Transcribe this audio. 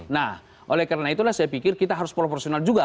nah oleh karena itulah saya pikir kita harus proporsional juga